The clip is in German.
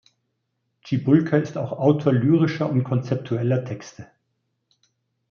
Cibulka ist auch Autor lyrischer und konzeptueller Texte.